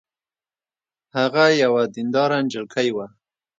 هغه یوه دینداره نجلۍ وه